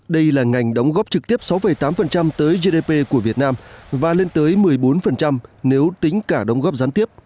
đây là ngành đóng góp trực tiếp sáu tám tới gdp của việt nam và lên tới một mươi bốn nếu tính cả đóng góp gián tiếp